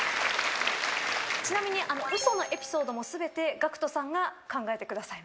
ちなみに嘘のエピソードも全てＧＡＣＫＴさんが考えてくださいました。